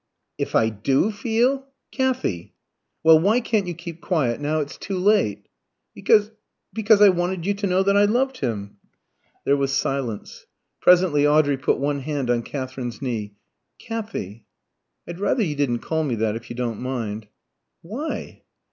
"If I do feel? Kathy!" "Well, why can't you keep quiet, now it's too late?" "Because because I wanted you to know that I loved him." There was silence. Presently Audrey put one hand on Katherine's knee. "Kathy " "I'd rather you didn't call me that, if you don't mind." "Why?"